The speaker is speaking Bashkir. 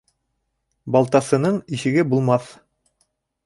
Балтасының ишеге булмаҫ.